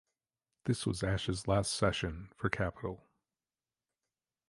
This was Ash's last session for Capitol.